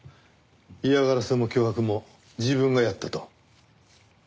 嫌がらせも脅迫も自分がやったと。